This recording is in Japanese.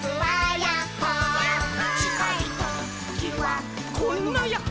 やっほー☆「ちかいときはこんなやっほ」